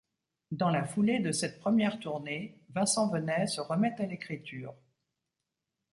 Dans la foulée de cette première tournée, Vincent Venet se remet à l'écriture.